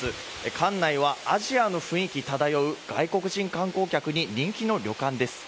館内はアジアの雰囲気が漂う外国人観光客に人気の旅館です。